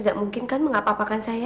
tidak mungkin kan mengapa apakan saya